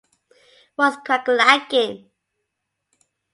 What’s crackalackin’?